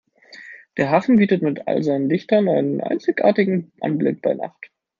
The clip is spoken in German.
Der Hafen bietet mit all seinen Lichtern einen einzigartigen Anblick bei Nacht.